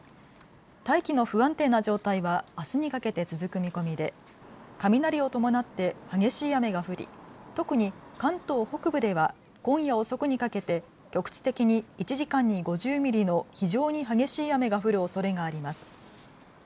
大気の不安定な状態はあすにかけて続く見込みで雷を伴って激しい雨が降り特に関東北部では今夜遅くにかけて局地的に１時間に５０ミリの非常に激しい雨が降るおそれがあります。